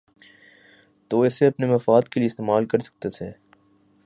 تو وہ اسے اپنے مفاد کے لیے استعمال کر سکتے تھے۔